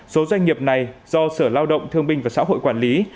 số doanh nghiệp này do sở lao động thương binh và xã hội quản lý